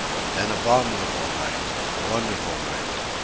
An abominable night! A wonderful night!